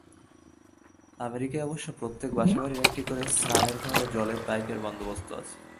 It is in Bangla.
আমেরিকায় অবশ্য প্রত্যেক বাসাবাড়ীতে একটা করে স্নানের-ঘর ও জলের পাইপের বন্দোবস্ত আছে।